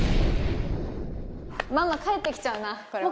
ママ帰ってきちゃうなこれは。